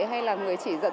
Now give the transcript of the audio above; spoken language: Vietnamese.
hay là người truyền thống